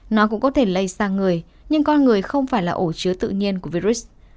nó cũng có thể lây sang người nhưng con người không phải là ổ chứa tự nhiên của virus